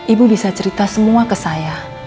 ibu bisa cerita semua ke saya